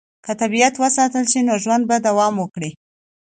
که طبیعت وساتل شي، نو ژوند به دوام وکړي.